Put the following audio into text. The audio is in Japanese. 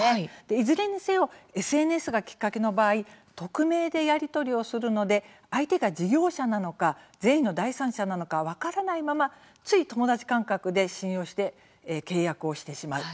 いずれにせよＳＮＳがきっかけの場合匿名でやり取りをするので相手が事業者なのか善意の第三者なのか分からないままつい、友達感覚で信用して契約をしてしまう。